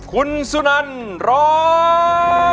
คุณสุนันร้อง